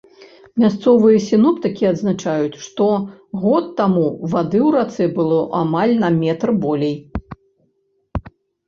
Мясцовыя сіноптыкі адзначаюць, што год таму вады ў рацэ было амаль на метр болей.